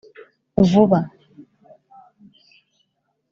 vuba